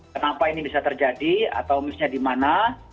kenapa ini bisa terjadi atau misalnya di mana